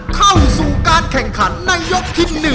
เข้าสู่การแข่งขันในยกที่๑